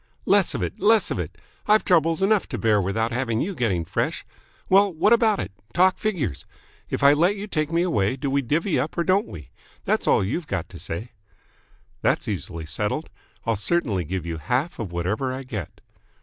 "Less of it, less of it. I've troubles enough to bear without having you getting fresh. Well, what about it? Talk figures. If I let you take me away, do we divvy up or don't we? That's all you've got to say." "That's easily settled. I'll certainly give you half of whatever I get."